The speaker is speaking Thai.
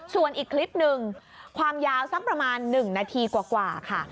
ส่วนอีกคลิปหนึ่งความยาวสักประมาณ๑นาทีกว่าค่ะ